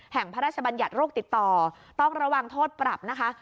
พระราชบัญญัติโรคติดต่อต้องระวังโทษปรับนะคะ